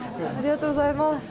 ありがとうございます。